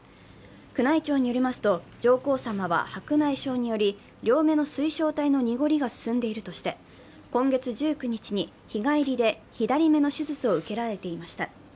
宮内庁によりますと、上皇さまは白内障により、両目の水晶体の濁りが進んでいるとして今月１９日に日帰りで、左目の手術を受けられていました。